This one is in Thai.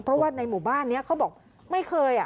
เพราะว่าในหมู่บ้านนี้เขาบอกไม่เคย